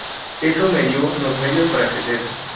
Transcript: Eso me dio los medios para crecer.